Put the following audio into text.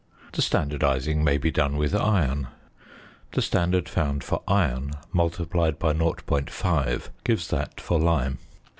The standardising may be done with iron. The standard found for iron multiplied by 0.5 gives that for lime.